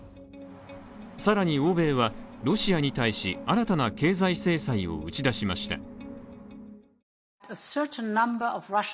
更に、欧米はロシアに対し新たな経済制裁を打ち出しました。